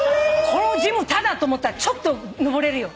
このジムタダと思ったらちょっと上れるよ。